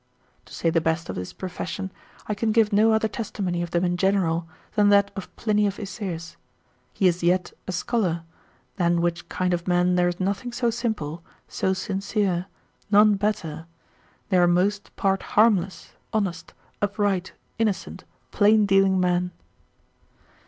To say the best of this profession, I can give no other testimony of them in general, than that of Pliny of Isaeus; He is yet a scholar, than which kind of men there is nothing so simple, so sincere, none better, they are most part harmless, honest, upright, innocent, plain dealing men.